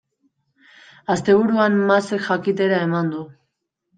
Asteburuan Masek jakitera eman du.